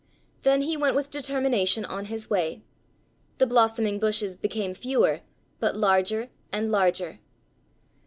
Then he went with determination on his way. The blossoming bushes became fewer, but larger and larger.